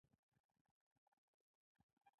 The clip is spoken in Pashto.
ایا ستاسو راتګ د خوښۍ سبب دی؟